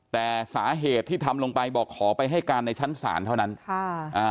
แต่สาเหตุที่ทำลงไปบอกขอไปให้การในชั้นศาลเท่านั้นค่ะอ่า